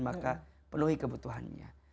maka penuhi kebutuhannya